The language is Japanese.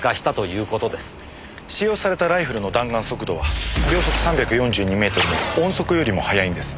使用されたライフルの弾丸速度は秒速３４２メートルの音速よりも速いんです。